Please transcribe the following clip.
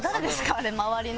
あれ周りの。